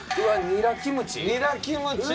ニラキムチ。